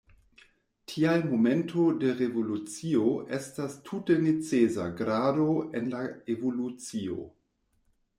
Tial momento de revolucio estas tute necesa grado en la evolucio.